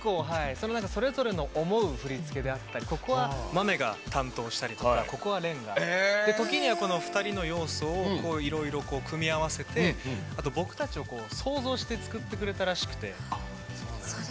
それぞれ思う振り付けだったり、豆が担当したり、ここは蓮がとか時には２人の要素をいろいろ組み合わせて想像して作ってくれたらしくて。